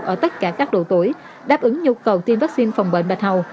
ở tất cả các độ tuổi đáp ứng nhu cầu tiêm vaccine phòng bệnh bạch hầu